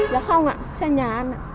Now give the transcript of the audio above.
dạ không ạ xe nhà anh ạ